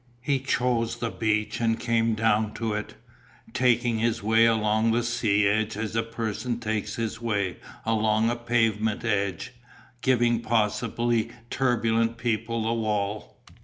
He chose the beach and came down to it, taking his way along the sea edge as a person takes his way along a pavement edge, giving possibly turbulent people the wall.